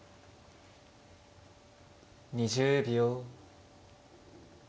２０秒。